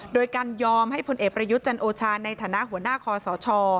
โดยการยอมให้พลเอกประยุทธ์จันโอชาในฐานะหัวหน้าคอสช